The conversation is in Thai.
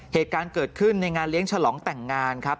เหตุการณ์เกิดขึ้นในงานเลี้ยงฉลองแต่งงานครับ